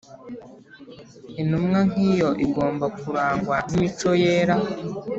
. Intumwa nk’iyo igomba kurangwa n’imico yera.